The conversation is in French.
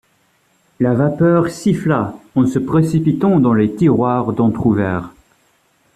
La vapeur siffla en se précipitant dans les tiroirs entr’ouverts.